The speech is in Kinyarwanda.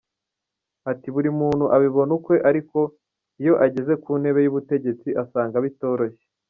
Ati buri muntu abibona ukwe ariko iyo ageze ku ntebe y'ubutegetsi asanga bitoroshye.